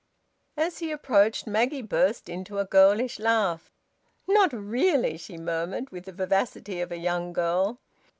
As he approached, Maggie burst into a girlish laugh. "Not really?" she murmured, with the vivacity of a young girl.